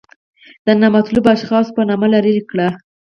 د نامطلوبو اشخاصو په نامه لرې کړل.